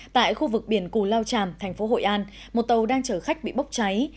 tại khu vực biển cù lao tràm thành phố hội an một tàu đang chở khách bị bốc cháy